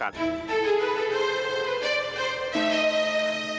pak pak pak